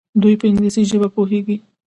دوی په انګلیسي ژبه پوهیږي.